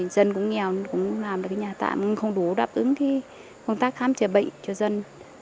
dân cũng nghèo cũng làm được nhà tạm không đủ đáp ứng công tác khám chữa bệnh cho dân